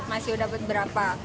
masih dapat berapa